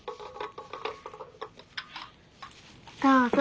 どうぞ。